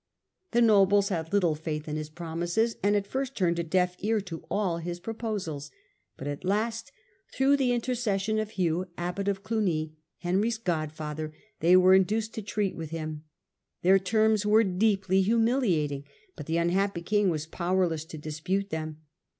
The nobles had little faith in his promises, and at first turned a deaf ear to all his proposals. But at last, through the intercession of Hugh, abbot of Clugny, Henry's godfather, they were induced to treat with»4ri^. Their terms were deeply humiliating, but the unhappy king was powerless to dispute them.